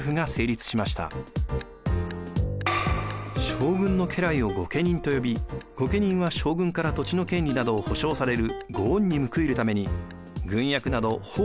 将軍の家来を御家人とよび御家人は将軍から土地の権利などを保証される御恩に報いるために軍役など奉公の義務を負いました。